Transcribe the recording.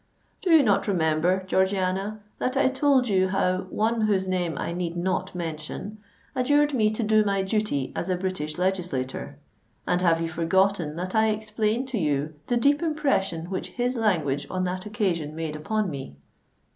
"Do you not remember, Georgiana, that I told you how one whose name I need not mention, adjured me to do my duty as a British legislator? and have you forgotten that I explained to you the deep impression which his language on that occasion made upon me?"